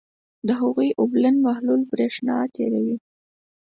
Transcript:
د هغوي اوبلن محلول برېښنا تیروي.